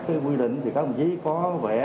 quy định thì có vẻ